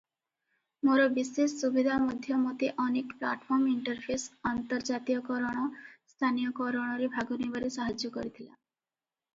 ମୋର ବିଶେଷ ସୁବିଧା ମଧ୍ୟ ମୋତେ ଅନେକ ପ୍ଲାଟଫର୍ମ ଇଣ୍ଟରଫେସର ଅନ୍ତର୍ଜାତୀୟକରଣ, ସ୍ଥାନୀୟକରଣରେ ଭାଗନେବାରେ ସାହାଯ୍ୟ କରିଥିଲା ।